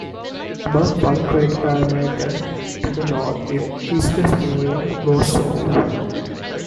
About one crater diameter to the north is the smaller Morozov.